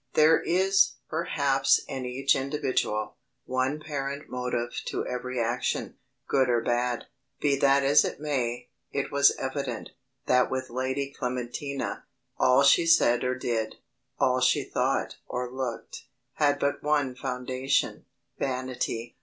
There is, perhaps in each individual, one parent motive to every action, good or bad. Be that as it may, it was evident, that with Lady Clementina, all she said or did, all she thought or looked, had but one foundation vanity.